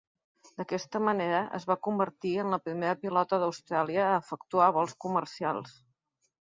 D'aquesta manera, es va convertir en la primera pilota d'Austràlia a efectuar vols comercials.